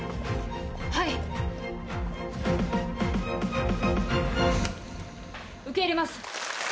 「はい」「受け入れます」